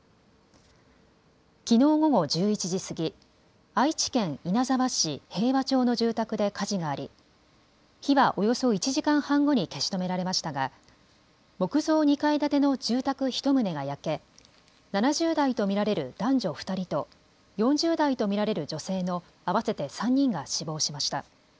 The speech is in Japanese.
きのう午後１１時過ぎ、愛知県稲沢市平和町の住宅で火事があり火はおよそ１時間半後に消し止められましたが木造２階建ての住宅１棟が焼け７０代と見られる男女２人と４０代と見られる女性の合わせて３人が死亡しました。